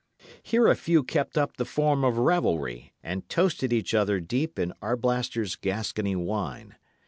Here a few kept up the form of revelry, and toasted each other deep in Arblaster's Gascony wine.